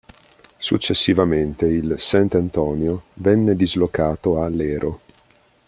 Successivamente il "S. Antonio" venne dislocato a Lero.